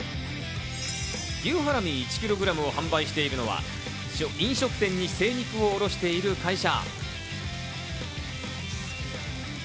牛ハラミ１ｋｇを販売しているのは、飲食店に生肉を卸している会社。